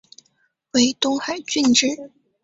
为东海郡治。